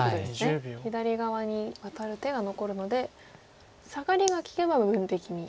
左側にワタる手が残るのでサガリが利けば部分的に。